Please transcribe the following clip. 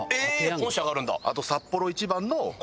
本社があるんだ。